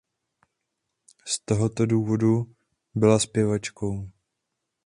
Z tohoto důvodu byla zpěvačkou.